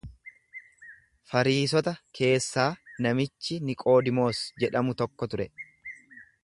Fariisota keessaa namichi Niqoodimoos jedhamu tokko ture.